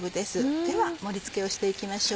では盛り付けをしていきましょう。